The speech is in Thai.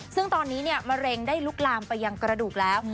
ซึ่งตอนนี้มะเร็งได้ลุกลามไปยังกระดูกแล้ว